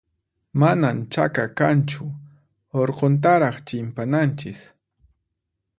Manan chaka kanchu, urquntaraq chimpananchis.